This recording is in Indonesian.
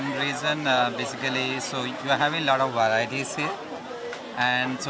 banyak pilihan yang ada di sini